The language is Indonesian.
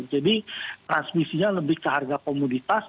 jadi transmisinya lebih ke harga komoditas